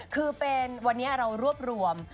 คือเป็นวันนี้เรารวบรวม